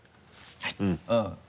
はい。